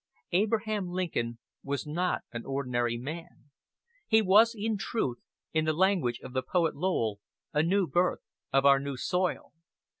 Abraham Lincoln was not an ordinary man. He was, in truth, in the language of the poet Lowell, a "new birth of our new soil."